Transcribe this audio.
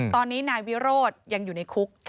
ตอนนี้นายวิโรธยังอยู่ในคุก